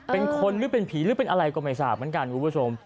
เป็นคนหรือเป็นผีหรือเป็นอะไรก็ไม่ทราบเหมือนกันคุณผู้ชม